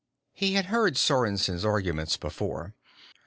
He had heard Sorensen's arguments before.